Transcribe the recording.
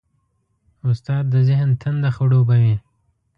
استاد د ذهن تنده خړوبوي.